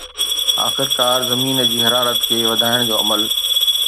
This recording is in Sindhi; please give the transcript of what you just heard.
آخرڪار، زمين جي حرارت کي وڌائڻ جو عمل